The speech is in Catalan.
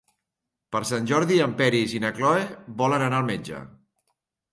Per Sant Jordi en Peris i na Cloè volen anar al metge.